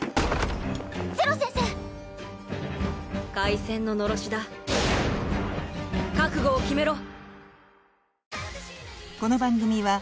ゼロ先生開戦ののろしだ覚悟を決めろ！